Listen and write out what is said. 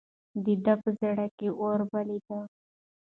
د ده په زړه کې اور بل دی.